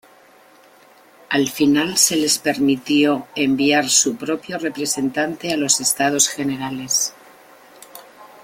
Al final, se les permitió enviar su propio representante a los Estados Generales.